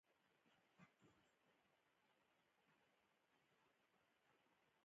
هغه د خپل پلار د نبوغ میراث نه دی رسېدلی.